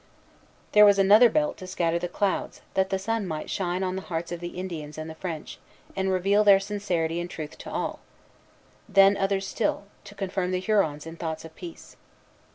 There was another belt to scatter the clouds, that the sun might shine on the hearts of the Indians and the French, and reveal their sincerity and truth to all; then others still, to confirm the Hurons in thoughts of peace.